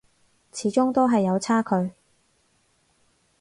始終都係有差距